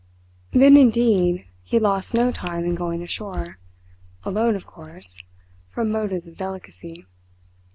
Then indeed he lost no time in going ashore alone, of course, from motives of delicacy.